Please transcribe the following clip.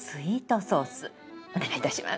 お願いいたします。